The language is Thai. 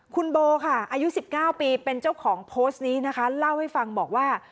คุณโบค่ะอายุ๑๙ปีเป็นเจ้าของโพสต์นี้นะคะเล่าให้ฟังบอกว่า